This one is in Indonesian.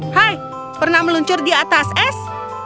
hai pernah meluncur di atas es